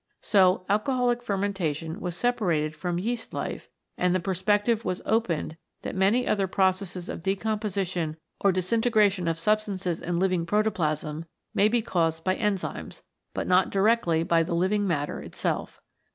So alcoholic fermentation was separated from yeast life and the perspective was opened, that many other processes of decomposition or disintegration of 94 CATALYSIS AND THE ENZYMES substances in living protoplasm may be caused by enzymes, but not directly by the living matter itself.